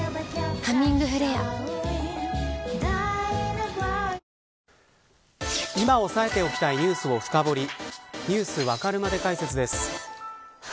「ハミングフレア」今押さえておきたいニュースを深掘りＮｅｗｓわかるまで解説です。